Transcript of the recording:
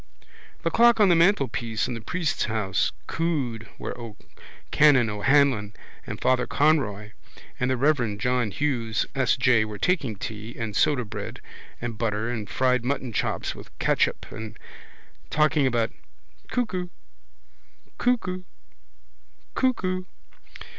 The clock on the mantelpiece in the priest's house cooed where Canon O'Hanlon and Father Conroy and the reverend John Hughes S. J. were taking tea and sodabread and butter and fried mutton chops with catsup and talking about Cuckoo Cuckoo Cuckoo.